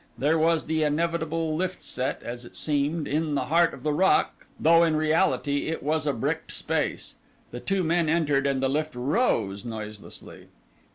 There was the inevitable lift set, as it seemed, in the heart of the rock, though in reality it was a bricked space. The two men entered and the lift rose noiselessly.